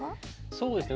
そうですね。